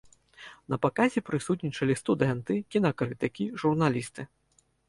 На паказе прысутнічалі студэнты, кінакрытыкі, журналісты.